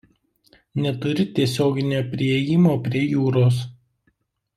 Neturi tiesioginio priėjimo prie jūros.